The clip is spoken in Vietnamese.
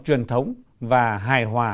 truyền thống và hài hòa